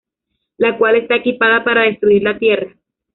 La cual está equipada para destruir la tierra.